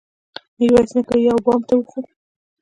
ميرويس نيکه يوه بام ته وخوت.